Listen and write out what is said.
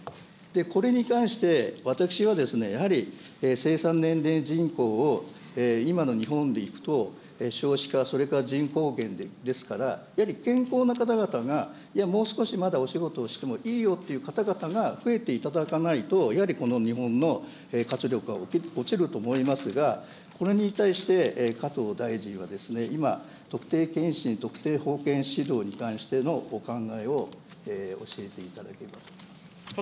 これに関して私はやはり生産年齢人口を今の日本でいくと、少子化、それから人口減ですから、やはり健康な方々がもう少しまだお仕事をしてもいいよっていう方々が増えていただかないと、やっぱり日本の活力は落ちると思いますが、これに対して加藤大臣は、今、特定健診、特定保健指導に関してのお考えを教えていただけますか。